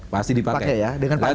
pasti dipakai ya